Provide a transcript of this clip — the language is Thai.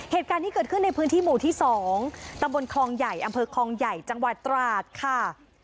เหตุการณ์ที่เกิดขึ้นในพื้นที่หมู่ที่๒ตำบลคลองใหญ่อำเภอคลองใหญ่จังหวัดตราดค่ะ